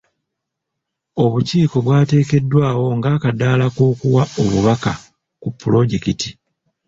Obukiiko bwateekeddwawo nga akadaala k'okuwa obubaka ku pulojekiti.